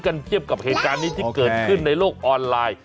เทียบกับเหตุการณ์นี้ที่เกิดขึ้นในโลกออนไลน์